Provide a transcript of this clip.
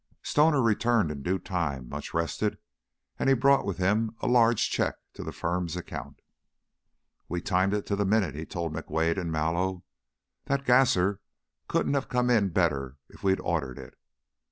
Stoner returned in due time, much rested, and he brought with him a large check to the firm's account. "We timed it to the minute," he told McWade and Mallow. "That gasser couldn't have come in better if we'd ordered it.